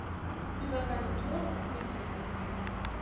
Über seinen Tod ist nichts bekannt.